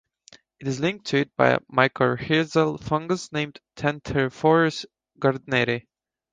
It is linked to it by a mycorrhizal fungus named "Thanatephorus gardneri".